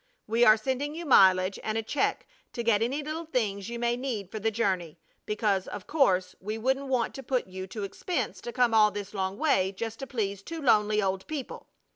We are sending you mileage, and a check to get any little things you may need for the journey, because, of course, we wouldn't want to put you to expense to come all this long way just to please two lonely old people.